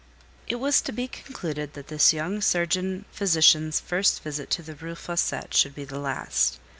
It was to be concluded that this young surgeon physician's first visit to the Rue Fossette would be the last.